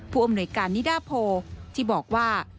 ผู้อำนวยการนิดาโพที่บอกว่า